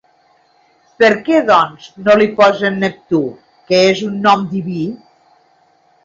Per què, doncs, no li posen Neptú, que és un nom diví?